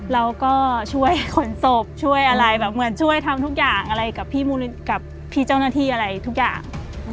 เราก็ช่วยขนศพช่วยอะไรแบบเหมือนช่วยทำทุกอย่างอะไรกับพี่มูลกับพี่เจ้าหน้าที่อะไรทุกอย่าง